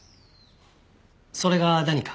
それが何か？